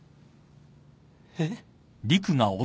えっ？